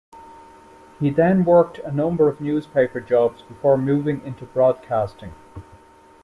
He then worked a number of newspaper jobs before moving into broadcasting.